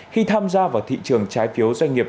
khi tham gia vào thị trường trái phiếu doanh nghiệp